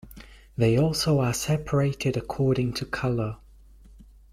They also are separated according to color.